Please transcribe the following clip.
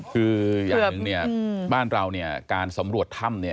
คืออย่างหนึ่งบ้านเราการสำรวจถ้ำ